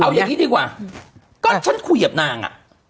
เอาอย่างนี้ดีกว่าก็ฉันคุยกับนางอ่ะ